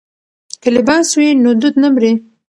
که لباس وي نو دود نه مري.